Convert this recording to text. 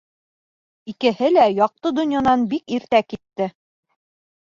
Икеһе лә яҡты донъянан бик иртә китте.